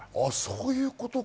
そういうことか。